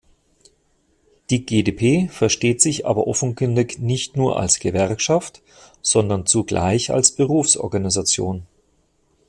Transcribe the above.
Die GdP versteht sich aber offenkundig nicht nur als Gewerkschaft, sondern zugleich als Berufsorganisation.